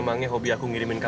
jangan lupa jangan lupa